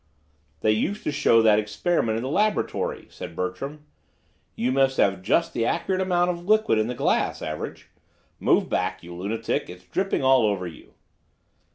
"They used to show that experiment in the laboratory," said Bertram. "You must have had just the accurate amount of liquid in the glass, Average. Move back, you lunatic, it's dripping all over you."